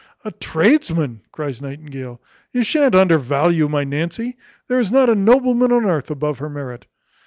"A tradesman!" cries Nightingale, "you shan't undervalue my Nancy. There is not a nobleman upon earth above her merit."